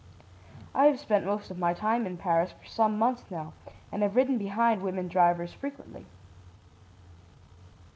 "I have spent most of my time in Paris for some months now, and have ridden behind women drivers frequently.